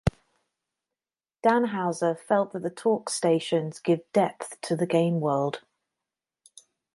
Dan Houser felt that the talk stations give depth to the game world.